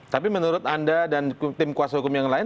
tapi menurut anda dan tim kuasa hukum yang lain